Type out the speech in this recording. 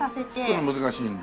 難しいんだ？